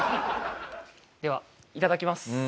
ではいただきます。